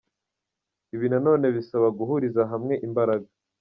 Ibi na none bisaba guhuriza hamwe imbaraga.